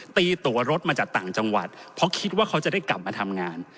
ตีตัวรถมาจากต่างจังหวัดเพราะคิดว่าเขาจะได้กลับมาทำงาน